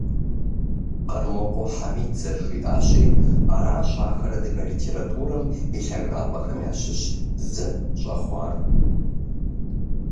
Къэрмокъуэ Хьэмид зэрыжиӀащи, аращ ахэр адыгэ литературэм и лъагапӀэхэм ящыщ зы щӀэхъуар.